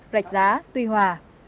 rạch giá tuy hòa